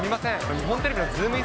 日本テレビのズームイン！！